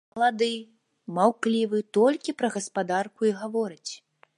Малады, маўклівы, толькі пра гаспадарку і гаворыць.